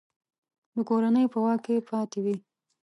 د کورنۍ په واک کې پاته وي.